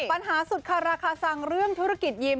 ปัญหาสุดคาราคาซังเรื่องธุรกิจยิ้ม